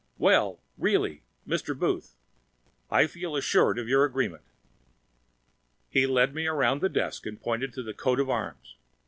Well, really, Mr. Booth! I feel assured of your agreement!" He led me around the desk and pointed to the Coat of Arms.